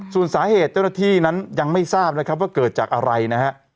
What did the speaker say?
ส่วนสาเหตุเจ้าหน้าที่นั้นยังไม่ทราบนะครับว่าเกิดจากอะไรนะฮะ